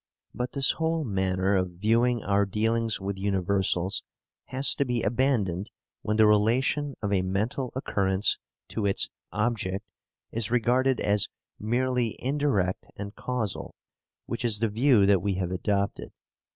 But this whole manner of viewing our dealings with universals has to be abandoned when the relation of a mental occurrence to its "object" is regarded as merely indirect and causal, which is the view that we have adopted.